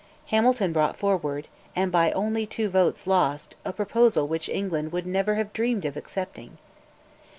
Hamilton brought forward, and by only two votes lost, a proposal which England would never have dreamed of accepting.